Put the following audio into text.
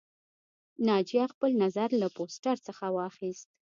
ناجیه خپل نظر له پوسټر څخه واخیست